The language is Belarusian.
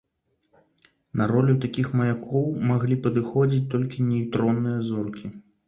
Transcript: На ролю такіх маякоў маглі падыходзіць толькі нейтронныя зоркі.